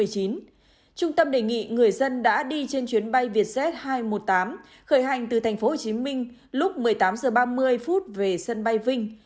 trung tâm đề nghị người dân đã đi trên chuyến bay vietjet hai trăm một mươi tám khởi hành từ tp hcm lúc một mươi tám h ba mươi về sân bay vinh